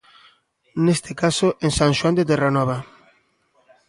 Neste caso, en San Xoán de Terranova.